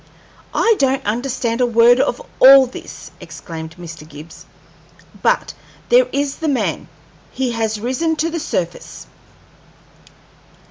"I don't understand a word of all this," exclaimed Mr. Gibbs. "But there is the man; he has risen to the surface."